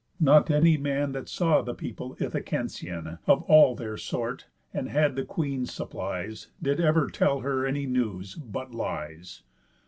Not any man That saw the people Ithacensian, Of all their sort, and had the queen's supplies, Did ever tell her any news, but lies.